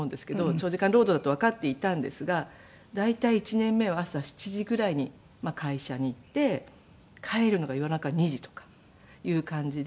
長時間労働だとわかっていたんですが大体１年目は朝７時ぐらいに会社に行って帰るのが夜中２時とかいう感じで。